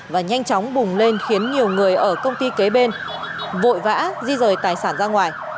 và nhanh chóng bùng lên khiến nhiều người ở công ty kế bên vội vã di rời tài sản ra ngoài